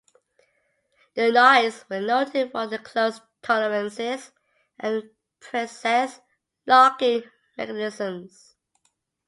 The knives were noted for their close tolerances and precise locking mechanisms.